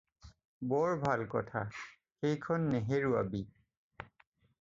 বৰ ভাল কথা, সেইখন নেহেৰুৱাবি।